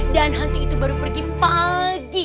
dan hantu itu baru pergi pagi